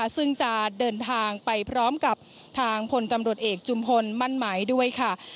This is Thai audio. ซึ่งจะเดินทางไปพร้อมกับทางพลตำรวจเอกจุมพลมั่นหมายด้วยค่ะ